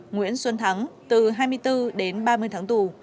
nguyễn xuân thắng từ hai mươi bốn đến ba mươi tháng tù